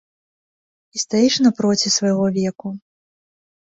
І стаіш напроці свайго веку.